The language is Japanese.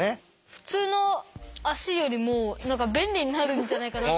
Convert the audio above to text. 普通の足よりも何か便利になるんじゃないかなと。